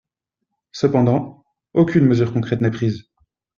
Cependant, aucune mesure concrète n’est prise.